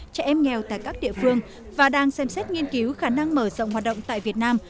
trẻ em nghèo tại các địa phương và đang xem xét nghiên cứu khả năng mở rộng hoạt động tại việt nam